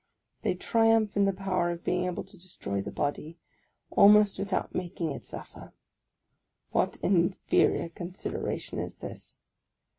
They triumph in the power of being able to destroy the body, almost without making it suffer. What an inferior consideration is this!